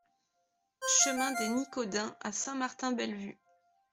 Chemin des Nicodeins à Saint-Martin-Bellevue